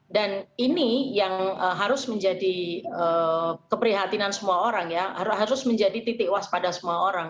dan ini yang harus menjadi keprihatinan semua orang ya harus menjadi titik waspada semua orang